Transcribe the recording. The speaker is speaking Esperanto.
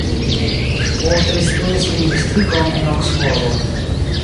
Poste li studis lingvistikon en Oksfordo.